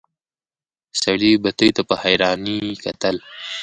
سړي بتۍ ته په حيرانی کتل.